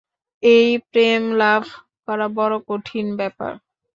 এই প্রেমলাভ করা বড় কঠিন ব্যাপার।